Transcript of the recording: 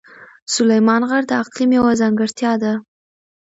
سلیمان غر د اقلیم یوه ځانګړتیا ده.